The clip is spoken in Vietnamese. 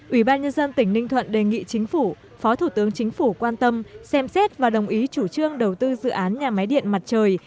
ủy ban nhân dân tỉnh ninh thuận đề nghị chính phủ phó thủ tướng chính phủ quan tâm xem xét và đồng ý chủ trương đầu tư dự án nhà máy điện mặt trời